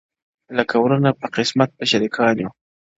لکه وروڼه په قسمت به شریکان یو-